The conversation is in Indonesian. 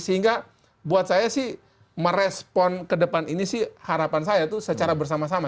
sehingga buat saya sih merespon ke depan ini sih harapan saya itu secara bersama sama